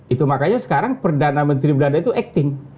itu makanya sekarang perdana menteri belanda itu acting